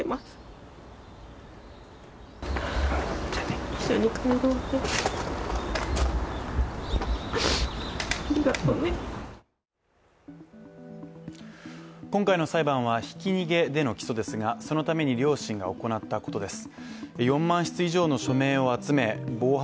結果を樹生さんに報告した両親は今回の裁判はひき逃げでの起訴ですがそのために両親が行ったことです。